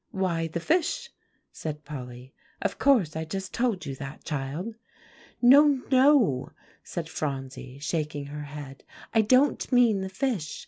"Why, the fish," said Polly, "of course. I just told you that, child." "No, no," said Phronsie, shaking her head, "I don't mean the fish.